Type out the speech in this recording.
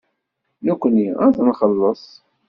Nekkni ad t-nxelleṣ.